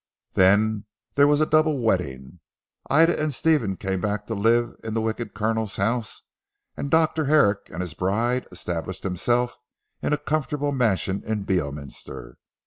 Then there was a double wedding. Ida and Stephen came back to live in the Wicked Colonel's house, and Dr. Herrick and his bride established himself in a comfortable mansion in Beorminster.